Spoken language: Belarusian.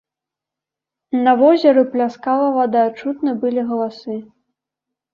На возеры пляскала вада, чутны былі галасы.